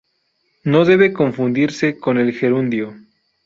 No debe confundirse con el gerundio.